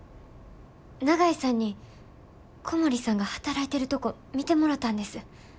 長井さんに小森さんが働いてるとこ見てもろたんです。